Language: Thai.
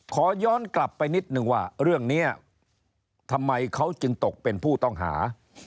ขอย้อนกลับไปนิดนึงว่าเรื่องนี้ทำไมเขาจึงตกเป็นผู้ต้องหา